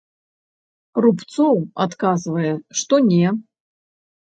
Рубцоў адказвае, што не.